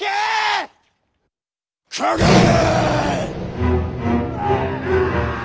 かかれ！